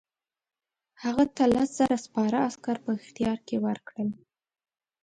هغه ته لس زره سپاره عسکر په اختیار کې ورکړل.